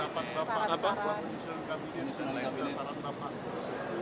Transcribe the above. minta saran untuk penyusunan kabinet